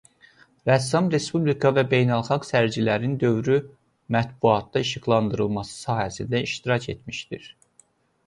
Rəssam respublika və beynəlxalq sərgilərin dövrü mətbuatda işıqlandırılması sahəsində iştirak etmişdir.